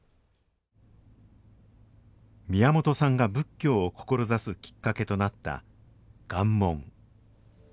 宮本さんが仏教を志すきっかけとなった「願文」。